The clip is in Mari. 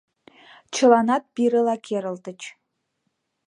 Чыланат пирыла керылтыч.